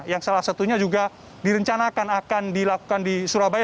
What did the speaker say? yang salah satunya juga direncanakan akan dilakukan di surabaya